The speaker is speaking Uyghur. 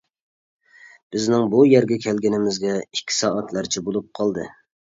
بىزنىڭ بۇ يەرگە كەلگىنىمىزگە ئىككى سائەتلەرچە بولۇپ قالدى.